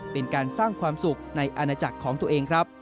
เป็นการสร้างความสุขในอาณาจักรของตัวเองครับ